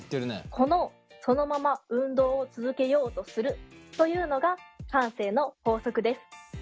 このそのまま運動を続けようとするというのが慣性の法則です。